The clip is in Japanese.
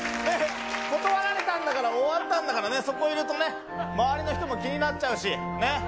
断られたんだから、終わったんだからね、そこいるとね、周りの人も気になっちゃうし、ね。